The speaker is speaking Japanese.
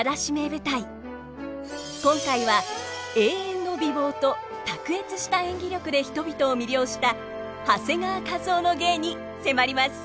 今回は永遠の美貌と卓越した演技力で人々を魅了した長谷川一夫の芸に迫ります。